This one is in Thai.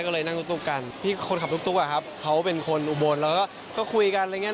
ก็เลยนั่งตุ๊กกันพี่คนขับตุ๊กอะครับเขาเป็นคนอุบลแล้วก็คุยกันอะไรอย่างเงี้